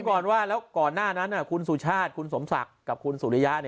ก่อนว่าแล้วก่อนหน้านั้นคุณสุชาติคุณสมศักดิ์กับคุณสุริยะ